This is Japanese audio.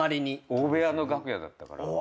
大部屋の楽屋だったから。